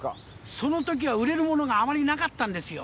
その時は売れる物があまりなかったんですよ